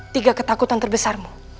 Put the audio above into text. tiga ketakutan terbesarmu